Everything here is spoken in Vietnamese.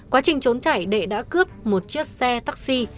quá trình trốn chạy đệ đã cướp một chiếc xe taxi